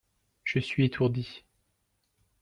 Je suis étourdi.